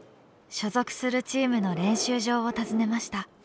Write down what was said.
所属するチームの練習場を訪ねました。